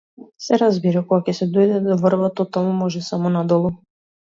Се разбира, кога ќе се дојде до врвот, оттаму може само надолу.